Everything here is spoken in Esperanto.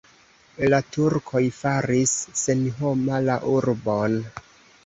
La turkoj faris senhoma la urbon.